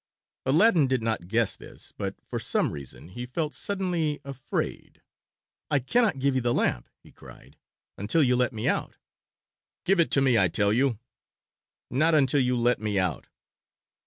Aladdin did not guess this, but for some reason he felt suddenly afraid. "I cannot give you the lamp," he cried, "until you let me out." "Give it to me I tell you." "Not until you let me out."